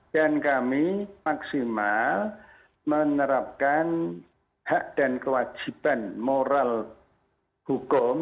dan kami maksimal menerapkan hak dan kewajiban moral hukum